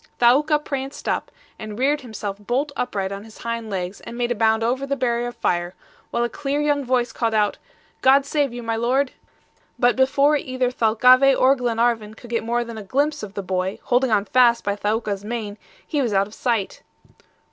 Thaouka pranced up, and reared himself bolt upright on his hind legs, and made a bound over the barrier of fire, while a clear, young voice called out: "God save you, my lord." But before either Thalcave or Glenarvan could get more than a glimpse of the boy, holding on fast by Thaouka's mane, he was out of sight.